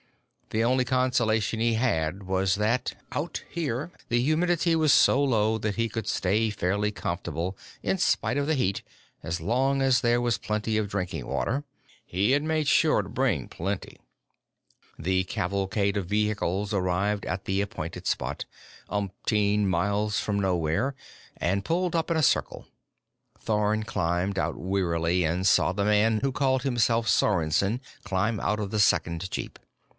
The only consolation he had was that, out here, the humidity was so low that he could stay fairly comfortable in spite of the heat as long as there was plenty of drinking water. He had made sure to bring plenty. The cavalcade of vehicles arrived at the appointed spot umpteen miles from nowhere and pulled up in a circle. Thorn climbed out wearily and saw the man who called himself Sorensen climb out of the second jeep.